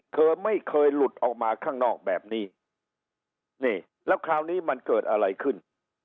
เธอไม่เคยหลุดออกมาข้างนอกแบบนี้นี่แล้วคราวนี้มันเกิดอะไรขึ้น